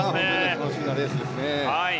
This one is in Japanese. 楽しみなレースですね。